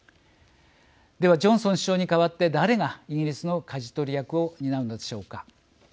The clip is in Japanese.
では、ジョンソン首相に代わって誰が、イギリスのかじ取り役を担うのでしょうか。